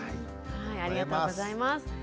ありがとうございます。